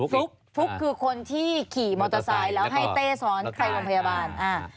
ฟลุ๊กคือคนที่ขี่มอเตอร์ไซค์แล้วให้เต้ซ้อนไปโรงพยาบาลอ่า